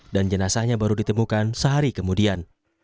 dan jenazahnya baru ditemukan sehari kemudian